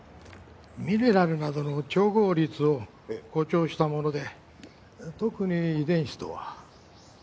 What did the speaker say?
ミネラルなどの調合率を誇張したもので特に遺伝子とは。